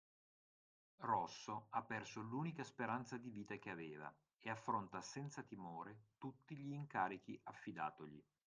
Rosso ha perso l’unica speranza di vita che aveva e affronta senza timore tutti gli incarichi affidatogli